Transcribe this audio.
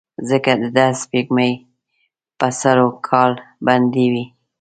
ځکه دده سپېږمې به سر وکال بندې وې.